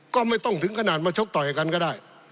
ก็ไม่ต้องถึงขนาดมาชกต่อยกันก็ได้